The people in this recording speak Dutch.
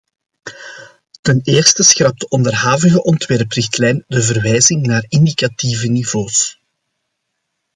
Ten eerste schrapt de onderhavige ontwerprichtlijn de verwijzing naar indicatieve niveaus.